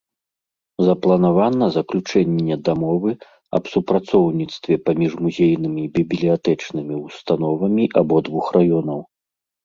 Запланавана заключэнне дамовы аб супрацоўніцтве паміж музейнымі і бібліятэчнымі ўстановамі абодвух раёнаў.